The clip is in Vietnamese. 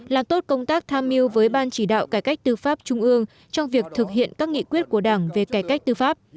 làm tốt công tác tham mưu với ban chỉ đạo cải cách tư pháp trung ương trong việc thực hiện các nghị quyết của đảng về cải cách tư pháp